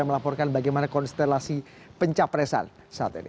melaporkan bagaimana konstelasi pencapresan saat ini